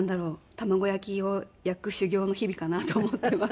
卵焼きを焼く修業の日々かなと思っています。